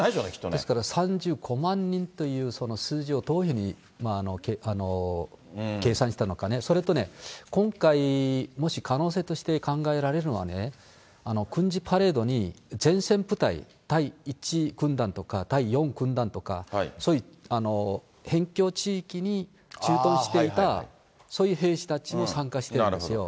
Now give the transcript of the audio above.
ですから３５万人というその数字をどういうふうに計算したのかね、それとね、今回、もし可能性として考えられるのはね、軍事パレードに前線部隊、第１軍団とか第４軍団とか、そういう辺境地域に駐屯していた、そういう兵士たちも参加してたんですよ。